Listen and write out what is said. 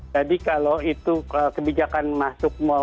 jadi kalau itu kebijakan masuk mall